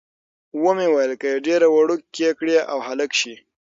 ومې ویل، که یې ډېره وړوکې کړي او هلک شي.